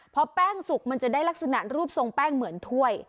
พอแป้งสุกมันจะได้ลักษณะรูปทรงแป้งเหมือนถ้วย